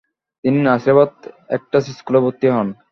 তিনি নাসিরাবাদ এক্টাস স্কুলে ভর্তি হন।